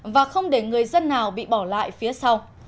và không để người dân nào bị bỏ lại phía sau